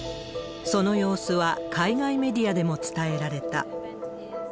その様子は、海外メディアでも伝えられた。